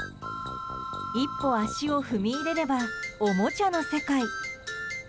一歩足を踏み入れればおもちゃの世界。